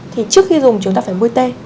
thì trước khi dùng chúng ta phải bôi t